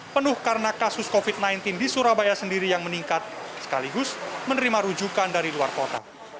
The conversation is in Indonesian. penuh karena kasus covid sembilan belas di surabaya sendiri yang meningkat sekaligus menerima rujukan dari luar kota